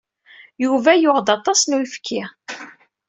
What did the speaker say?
Yuba yuɣ-d aṭas n uyefki.